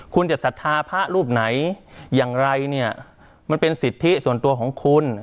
คุณจะศรัทธาพระรูปไหนอย่างไรเนี่ยมันเป็นสิทธิส่วนตัวของคุณ